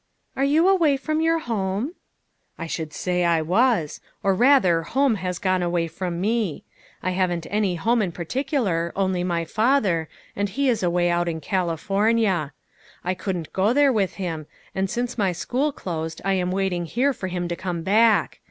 " Are you away from your home ?" "I should say I was! Or rather home has gone away from me. I haven't any home in par ticular, only my father, and he is away out in California. I couldn't go there with him, and since my school closed I am waiting here for him to come back.